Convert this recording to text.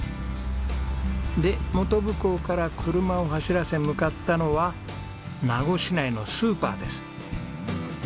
で本部港から車を走らせ向かったのは名護市内のスーパーです。